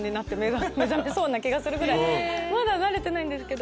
まだ慣れてないんですけど。